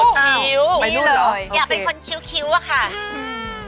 คิ้วไปนู่นเหรอ